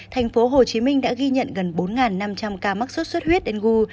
tp hcm đã ghi nhận gần bốn năm trăm linh ca mắc sốt xuất huyết đen gu